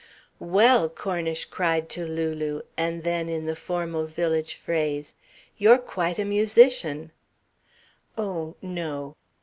"Well!" Cornish cried to Lulu; and then, in the formal village phrase: "You're quite a musician." "Oh, no!"